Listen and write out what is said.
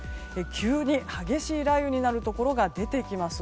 急に激しい雷雨になるところが出てきます。